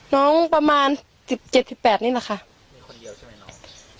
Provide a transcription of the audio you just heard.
น้องประมาณสิบเจ็ดสิบแปดนี่แหละค่ะมีคนเดียวใช่ไหมน้อง